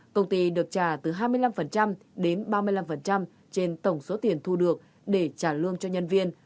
công ty được trả từ hai mươi năm đến ba mươi năm trên tổng số tiền thu được để trả lương cho nhân viên